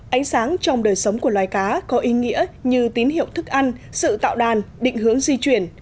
ánh sáng trong đời sống của loài cá có ý nghĩa như tín hiệu thức ăn sự tạo đàn định hướng di chuyển